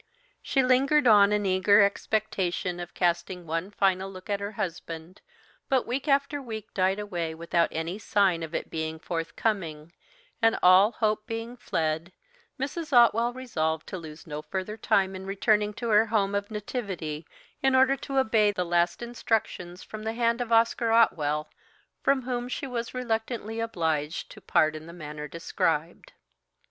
She lingered on in eager expectation of casting one final look at her husband, but week after week died away without any sign of it being forthcoming, and all hope being fled, Mrs. Otwell resolved to lose no further time in returning to her home of nativity, in order to obey the last instructions from the hand of Oscar Otwell, from whom she was reluctantly obliged to part in the manner described.